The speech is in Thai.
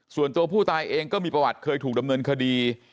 ส่วนตัวผู้ตายเองก็มีประวัติเคยถูกดำเนินคดี